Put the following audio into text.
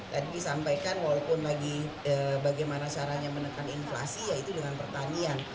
tadi disampaikan walaupun lagi bagaimana caranya menekan inflasi ya itu dengan pertanian